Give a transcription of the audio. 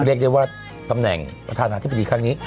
เรียกได้ว่าตำแหน่งประธานาธิบดีครั้งนี้